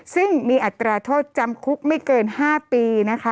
ซึ่งมีอัตราโทษจำคุกไม่เกิน๕ปีนะคะ